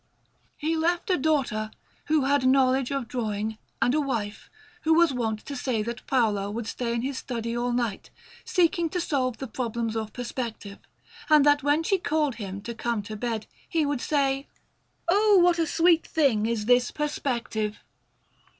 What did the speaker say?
He left a daughter, who had knowledge of drawing, and a wife, who was wont to say that Paolo would stay in his study all night, seeking to solve the problems of perspective, and that when she called him to come to bed, he would say: "Oh, what a sweet thing is this perspective!"